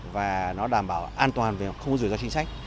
và nó đảm bảo an toàn và không có rủi ro chính sách